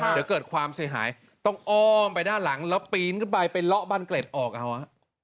เดี๋ยวเกิดความเสียหายต้องอ้อมไปด้านหลังแล้วปีนขึ้นไปไปเลาะบ้านเกล็ดออกเอาฮะ